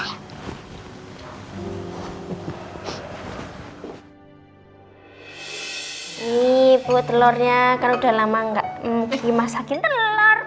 nanti kalau udah lama gak pergi masakin telor